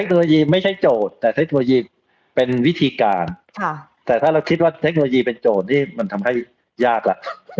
เทคโนโลยีไม่ใช่โจทย์แต่เทคโนโลยีเป็นวิธีการแต่ถ้าเราคิดว่าเทคโนโลยีเป็นโจทย์นี่มันทำให้ยากแล้ว